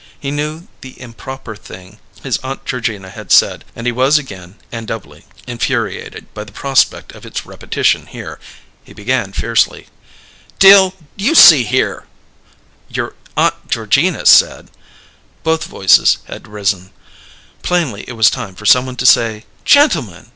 He knew the improper thing his Aunt Georgina had said, and he was again, and doubly, infuriated by the prospect of its repetition here. He began fiercely: "Dill, you see here " "Your Aunt Georgina said " Both voices had risen. Plainly it was time for someone to say: "Gentlemen!